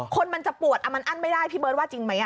คนมันจะปวดมันอั้นไม่ได้พี่เบิร์ตว่าจริงไหม